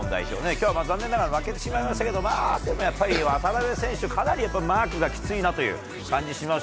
今日は残念ながら負けてしまいましたが渡邊選手、かなりマークがきついなという感じがします